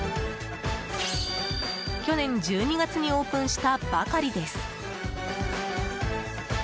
去年１２月にオープンしたばかりです。